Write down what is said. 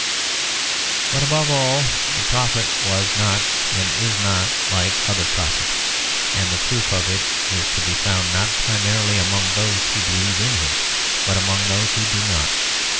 But above all the prophet was not and is not like other prophets; and the proof of it is to be found not primarily among those who believe in him, but among those who do not.